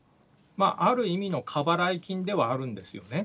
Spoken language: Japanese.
ある意味の過払い金ではあるんですよね。